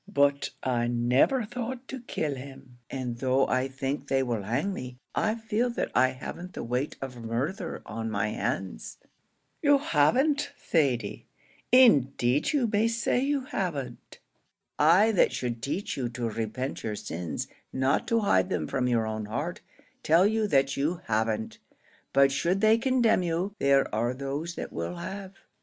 But I never thought to kill him, and though I think they will hang me, I feel that I haven't the weight of murdher on my hands." "You haven't, Thady; indeed you may say you haven't. I that should teach you to repent your sins, not to hide them from your own heart, tell you that you haven't. But should they condemn you, there are those that will have.